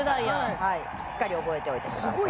しっかり覚えておいてください。